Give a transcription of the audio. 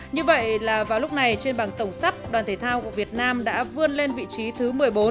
như vậy là vào lúc này trên bảng tổng sắp đoàn thể thao của việt nam đã vươn lên vị trí thứ một mươi bốn